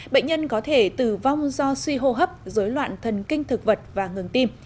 bệnh nhân có thể tử vong do suy hô hấp dối loạn thần kinh thực vật và ngừng tim